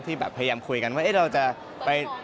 แบบพยายามคุยกันว่าเราจะไป